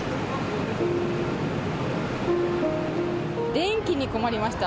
電気に困りました。